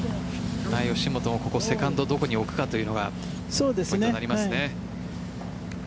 吉本もセカンドどこに置くのかというのがポイントになりますね。